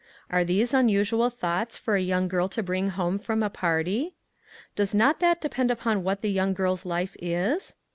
Are these unusual thoughts for a young girl to bring home from a party? Does not that de pend upon what the young girl's life is